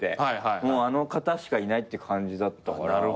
もうあの方しかいないって感じだったから。